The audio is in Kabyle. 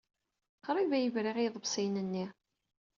Qrib ay briɣ i yiḍebsiyen-nni.